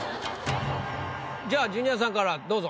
じゃあジュニアさんからどうぞ。